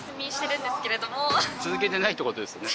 続けてないってことですよね？